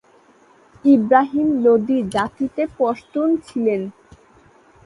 ইবরাহিম লোদি জাতিতে পশতুন ছিলেন।